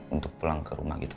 untuk pulang ke rumah gitu